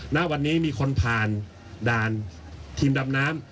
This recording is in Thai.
ณวันนี้มีคนผ่านด่านทีมดำน้ำ